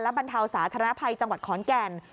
บรรเทาสาธารณภัยจังหวัดขอนแก่น